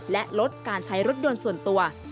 และลดการใช้รถยนต์ส่วนตัว